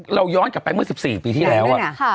ย้อนกลับไปเมื่อ๑๔ปีที่แล้ว